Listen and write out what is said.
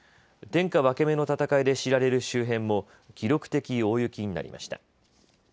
天下分け目の戦いで知られる周辺も記録的大雪になりました。